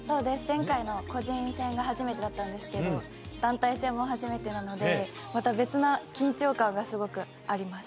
前回の個人戦が初めてだったんですけど団体戦も初めてなのでまた別な緊張感がすごくあります。